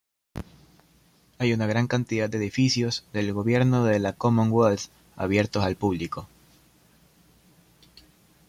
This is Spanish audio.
Hay una gran cantidad de edificios del gobierno de la Commonwealth abiertos al público.